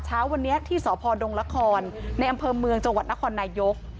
เช้าวันนี้ที่สพดงละครในอำเภอเมืองจังหวัดนครนายก